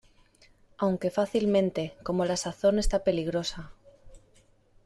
aunque fácilmente, como la sazón está peligrosa...